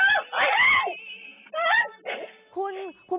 แท็กแท็กแท็กโอ้โฮลูกพอ